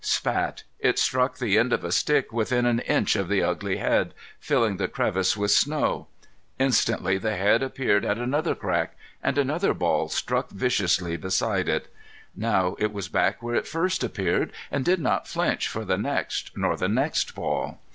"Spat!" it struck the end of a stick within an inch of the ugly head, filling the crevice with snow. Instantly the head appeared at another crack, and another ball struck viciously beside it. Now it was back where it first appeared, and did not flinch for the next, nor the next ball.